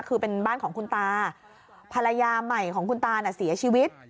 คือเป็นบ้านของคุณตาภรรยาใหม่ของคุณตาน่ะเสียชีวิต